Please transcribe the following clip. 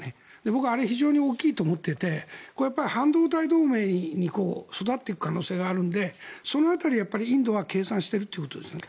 僕、あれ非常に大きいと思っていて半導体同盟に育っていく可能性があるのでその辺り、インドは計算しているということですよね。